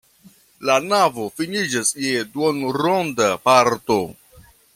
La navo finiĝas je duonronda parto.